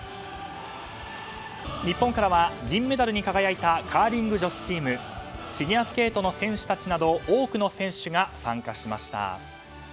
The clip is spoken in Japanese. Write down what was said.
日本からは銀メダルに輝いたカーリング女子チームフィギュアスケートの選手たちなど多くの選手が参加しました。